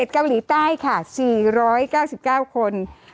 ๗เกาหลีใต้๔๙๙คน